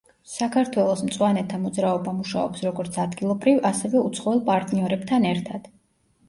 საქართველოს მწვანეთა მოძრაობა მუშაობს როგორც ადგილობრივ, ასევე უცხოელ პარტნიორებთან ერთად.